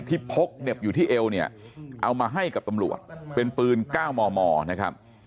พกเหน็บอยู่ที่เอวเนี่ยเอามาให้กับตำรวจเป็นปืน๙มมนะครับ